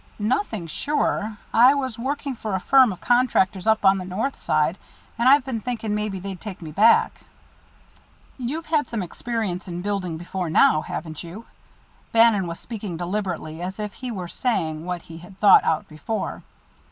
"Nothing sure. I was working for a firm of contractors up on the North Side, and I've been thinking maybe they'd take me back." "You've had some experience in building before now, haven't you?" Bannon was speaking deliberately, as if he were saying what he had thought out before.